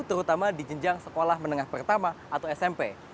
terutama di jenjang sekolah menengah pertama atau smp